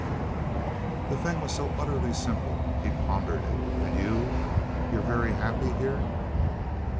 The thing was so utterly simple. He pondered it. "And you you're very happy here?"